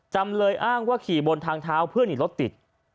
จำเลยอ้างว่าขี่บนทางเท้าเพื่อหนีรถติด